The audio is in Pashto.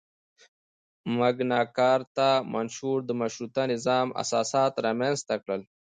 مګناکارتا منشور د مشروطه نظام اساسات رامنځته کړل.